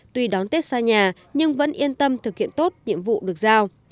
tuy đón tết xa nhà nhưng vẫn yên tâm thực hiện tốt nhiệm vụ được giao